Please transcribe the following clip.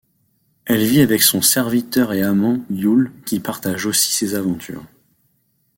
Elle vit avec son serviteur et amant, Yul, qui partage aussi ses aventures.